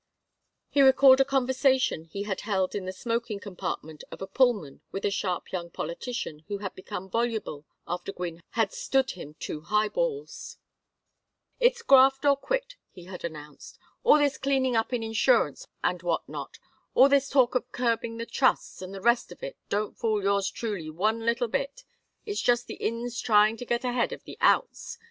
He recalled a conversation he had held in the smoking compartment of a Pullman with a sharp young politician, who had become voluble after Gwynne had "stood him" two high balls. "It's graft or quit," he had announced. "All this cleaning up in insurance and what not, all this talk of curbing the trusts and the rest of it don't fool yours truly one little bit. It's just the ins trying to get ahead of the outs.